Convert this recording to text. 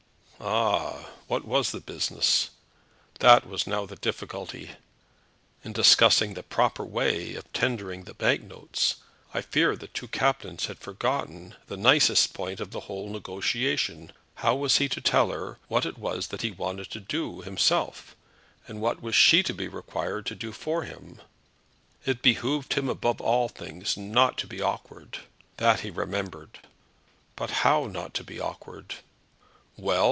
Ah; what was the business? That was now the difficulty? In discussing the proper way of tendering the bank notes, I fear the two captains had forgotten the nicest point of the whole negotiation. How was he to tell her what it was that he wanted to do himself, and what that she was to be required to do for him? It behoved him above all things not to be awkward! That he remembered. But how not to be awkward? "Well!"